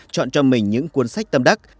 chọn cho mình những cuốn sách tâm đắc